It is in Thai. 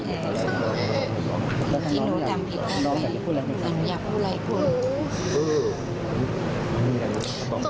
ที่หนูทำผิดให้ไงแต่หนูอยากพูดอะไรคน